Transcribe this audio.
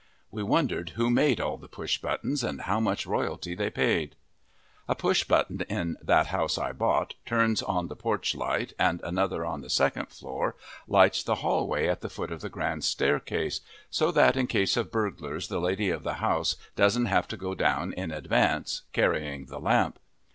We wondered who made all the push buttons, and how much royalty they paid. A push button in That House I Bought turns on the porch light and another on the second floor lights the hallway at the foot of the grand staircase, so that in case of burglars the lady of the house doesn't have to go down in advance, carrying the lamp.